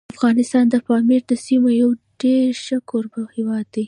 افغانستان د پامیر د سیمو یو ډېر ښه کوربه هیواد دی.